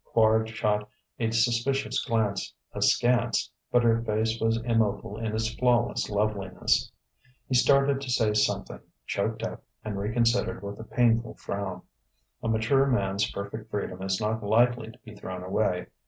Quard shot a suspicious glance askance, but her face was immobile in its flawless loveliness. He started to say something, choked up and reconsidered with a painful frown. A mature man's perfect freedom is not lightly to be thrown away.